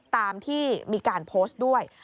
ตามที่มีการโพสต์ด้วย